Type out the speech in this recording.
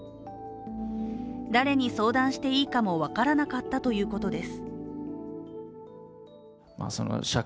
誰に相談していいかも分からなかったということです。